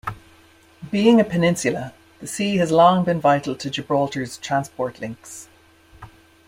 Being a peninsula, the sea has long been vital to Gibraltar's transport links.